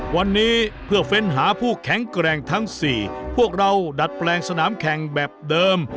วันนี้เพื่อเฟ้นหาผู้แข็งแกร่งทั้งสี่พวกเราดัดแปลงสนามแข่งแบบเดิม